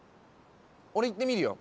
俺言ってみるよ。